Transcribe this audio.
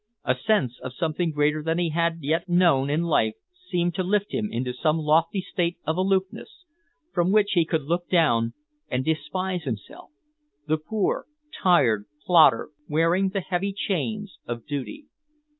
A sense of something greater than he had yet known in life seemed to lift him into some lofty state of aloofness, from which he could look down and despise himself, the poor, tired plodder wearing the heavy chains of duty.